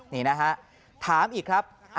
นี่นะฮะถามอีกครับ